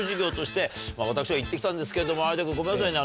私が行ってきたんですけども有田君ごめんなさいね。